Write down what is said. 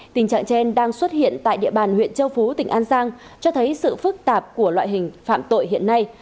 tình trạng trên đang xuất hiện tại địa bàn huyện châu phú tỉnh an giang cho thấy sự phức tạp của loại hình phạm tội hiện nay